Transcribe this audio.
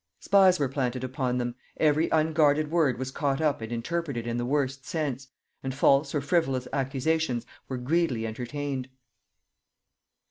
Spies were planted upon them, every unguarded word was caught up and interpreted in the worst sense, and false or frivolous accusations were greedily entertained.